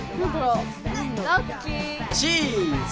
チーズ！